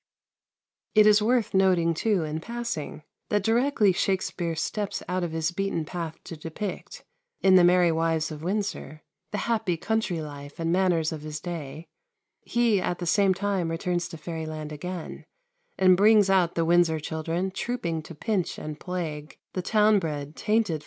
It is worth noting too, in passing, that directly Shakspere steps out of his beaten path to depict, in "The Merry Wives of Windsor," the happy country life and manners of his day, he at the same time returns to fairyland again, and brings out the Windsor children trooping to pinch and plague the town bred, tainted Falstaff.